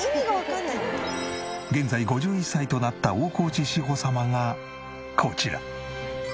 現在５１歳となった大河内志保様がこちら。